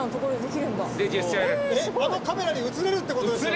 あのカメラに映れるっていう事ですよね？